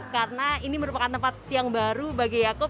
karena ini merupakan tempat yang baru bagi yaakub